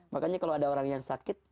makanya kalau ada orang yang sakit